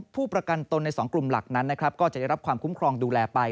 ผู้ประกันตนใน๒กลุ่มหลักนั้นนะครับก็จะได้รับความคุ้มครองดูแลไป